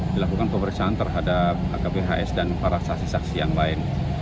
dilakukan pemeriksaan terhadap akphs dan para saksi saksi